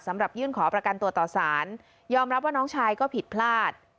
ยื่นขอประกันตัวต่อสารยอมรับว่าน้องชายก็ผิดพลาด